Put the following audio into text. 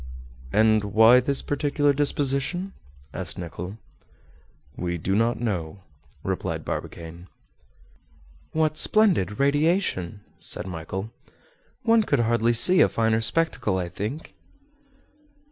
"And why this peculiar disposition?" asked Nicholl. "We do not know," replied Barbicane. "What splendid radiation!" said Michel. "One could hardly see a finer spectacle, I think."